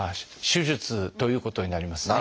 手術ということになりますね。